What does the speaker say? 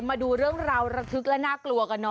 มาดูเรื่องราวระทึกและน่ากลัวกันหน่อย